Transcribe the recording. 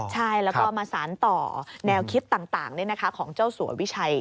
ใช่แล้วก็มาสารต่อแนวคิดต่างของเจ้าสัววิชัย